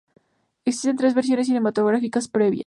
Existen tres versiones cinematográficas previas.